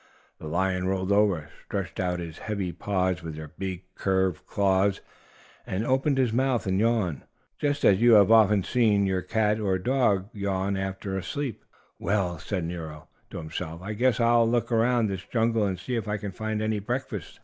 The lion rolled over, stretched out his heavy paws with their big, curved claws, and opened his mouth and yawned, just as you have often seen your dog or cat yawn after a sleep. "Well," said Nero to himself, "I guess I'll look around this jungle and see if I can find any breakfast.